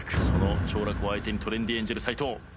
その長樂を相手にトレンディエンジェル斎藤。